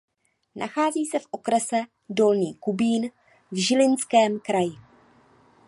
Nachází se v okrese Dolný Kubín v Žilinském kraji.